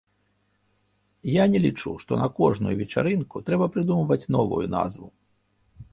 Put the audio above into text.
Я не лічу, што на кожную вечарынку трэба прыдумваць новую назву.